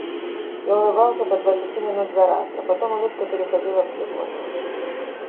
Я улыбался по двадцати минут зараз, но потом улыбка переходила в зевоту.